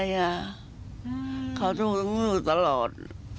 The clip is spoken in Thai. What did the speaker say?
ใช้แบบเพิศตลอด